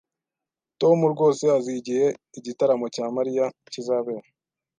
Tom rwose azi igihe igitaramo cya Mariya kizabera